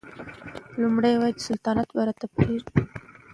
نوموړي وايي چې سلطنت به رایې ته پرېږدي.